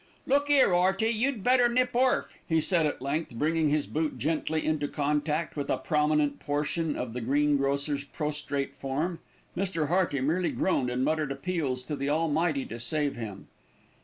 "Look 'ere, 'Earty, you'd better nip orf," he said at length, bringing his boot gently into contact with a prominent portion of the greengrocer's prostrate form. Mr. Hearty merely groaned and muttered appeals to the Almighty to save him.